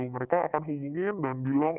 mereka akan hubungin dan bilang